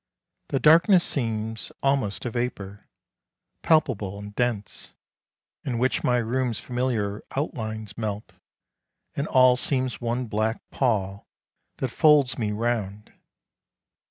The darkness seems Almost a vapor, palpable and dense, In which my room's familiar outlines melt, And all seems one black pall that folds me round.